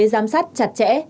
giám sát chặt chẽ